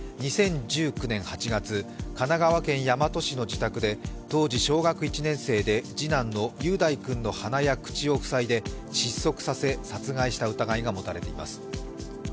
２０１９年８月、神奈川県大和市の自宅で当時小学１年生で次男の雄大君の鼻や口をふさいで窒息させ殺害した疑いが持たれています。